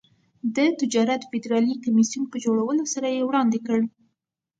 د تجارت فدرالي کمېسیون په جوړولو سره یې وړاندې کړ.